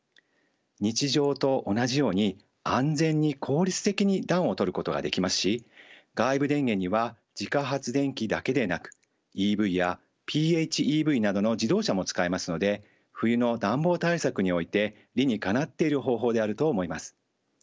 日常と同じように安全に効率的に暖を取ることができますし外部電源には自家発電機だけでなくＥＶやＰＨＥＶなどの自動車も使えますので冬の暖房対策において理にかなっている方法であると思います。